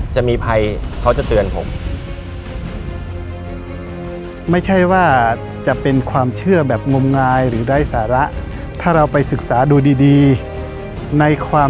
จะมีภัยเขาจะเตือนผม